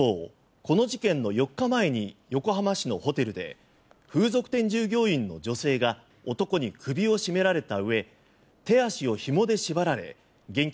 この事件の４日前に横浜市のホテルで風俗店従業員の女性が男に首を絞められたうえ手足をひもで縛られ現金